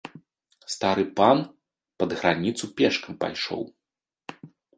Стары пан пад граніцу пешкам пайшоў.